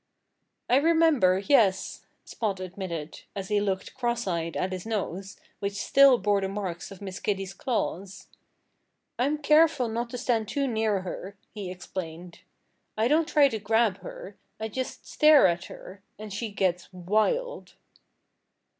"I remember yes!" Spot admitted, as he looked cross eyed at his nose, which still bore the marks of Miss Kitty's claws. "I'm careful not to stand too near her," he explained. "I don't try to grab her. I just stare at her. And she gets wild."